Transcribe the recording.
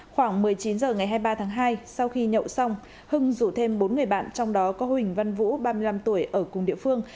khoảng một mươi chín h ngày hai mươi ba tháng hai sau khi nhậu xong hưng rủ thêm bốn người bạn trong đó có huỳnh văn vũ ba mươi năm tuổi ở cùng địa phương